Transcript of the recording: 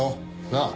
なあ。